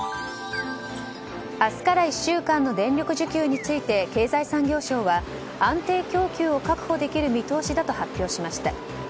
明日から１週間の電力需給について経済産業省は安定供給を確保できる見通しだと発表しました。